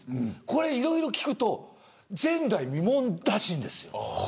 これ、いろいろ聞くと前代未聞らしいんです。